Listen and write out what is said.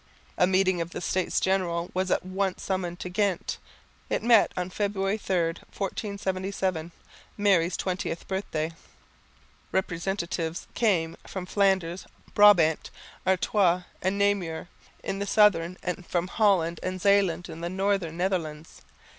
A meeting of the States General was at once summoned to Ghent. It met on February 3, 1477, Mary's 20th birthday. Representatives came from Flanders, Brabant, Artois and Namur, in the southern, and from Holland and Zeeland in the northern Netherlands.